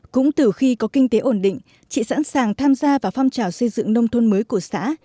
cũng từ khi có kinh tế ổn định chị sẵn sàng tham gia vào phong trào xây dựng nông thôn mới của xã